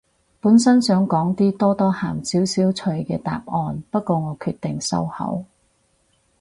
本身想講啲多多鹹少少趣嘅答案，不過我決定收口